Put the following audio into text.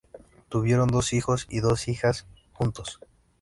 Tuvieron dos hijos y dos hijas juntos.